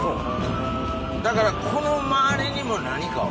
だからこの周りにも何かを？